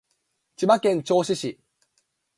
千葉県銚子市